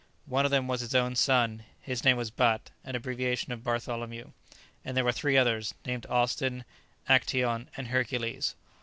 One of them was his own son; his name was Bat (an abbreviation of Bartholomew); and there were three others, named Austin, Actæon, and Hercules.